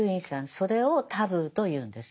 それをタブーと言うんです。